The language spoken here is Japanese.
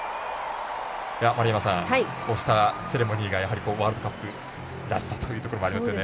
丸山さん、こうしたセレモニーがワールドカップらしさというところもありますね。